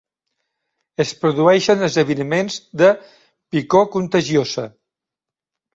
Es produeixen esdeveniments de "picor contagiosa".